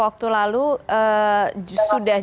waktu lalu sudah